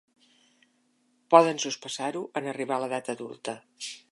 Poden sospesar-ho en arribar a l'edat adulta.